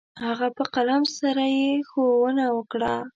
هغه په قلم سره يې ښوونه وكړه.